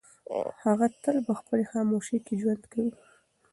هغه تل په خپلې خاموشۍ کې ژوند کوي.